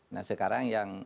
nah sekarang yang